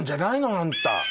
あんた。